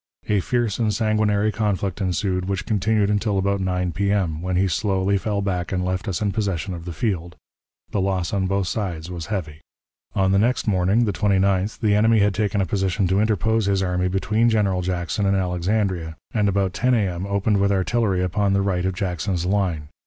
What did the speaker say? A fierce and sanguinary conflict ensued which continued until about 9 P.M., when he slowly fell back and left us in possession of the field, the loss on both sides was heavy. On the next morning (the 29th) the enemy had taken a position to interpose his army between General Jackson and Alexandria, and about 10 A.M. opened with artillery upon the right of Jackson's line.